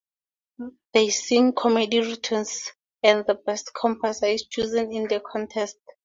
They sing comedy routines and the best comparsa is chosen in a contest.